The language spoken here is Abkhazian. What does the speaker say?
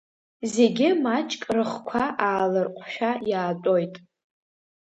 Зегьы маҷк рыхқәа ааларҟәшәа иаатәоит.